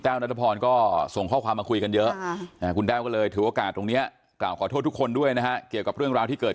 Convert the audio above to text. ถ้าเป็นกายลายประเทศไทยคือไม่ต้องสวับซ้ำอีกเลย